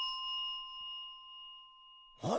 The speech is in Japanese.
あれ？